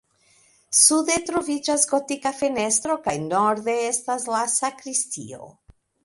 Sude troviĝas gotika fenestro kaj norde estas la sakristio.